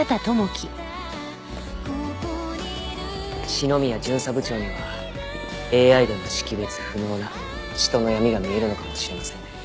篠宮巡査部長にはＡＩでも識別不能な人の闇が見えるのかもしれませんね。